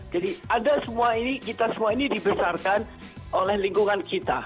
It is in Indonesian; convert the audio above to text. jadi ada semua ini kita semua ini dibesarkan oleh lingkungan kita